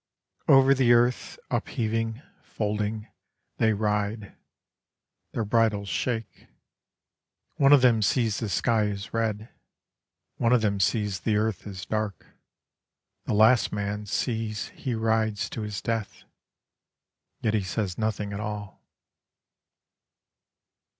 Over the earth, upheaving, folding, They ride: their bridles shake: One of them sees the sky is red: One of them sees the earth is dark: The last man sees he rides to his death, Yet he says nothing at all.